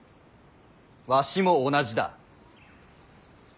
わしも同じだ。